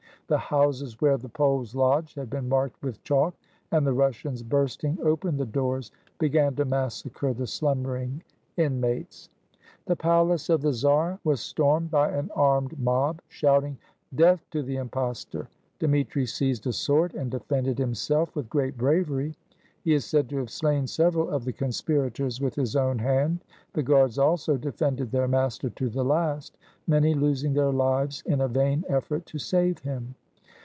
The houses where the Poles lodged had been marked with chalk ; and the Russians, bursting open the doors, began to massacre the slumbering inmates. The palace of the czar was stormed by an armed mob, shouting, "Death to the impostor!" Dmitri seized a sword, and defended himself with great bravery. He is said to have slain several of the conspirators with his own hand. The guards, also, defended their master to the last, many losing their hves in a vain effort to save him.